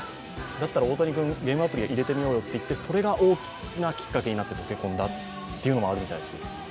だったら大谷君ゲームアプリ入れてみようよといってそれが大きなきっかけになって溶け込んだというのもあるみたいです。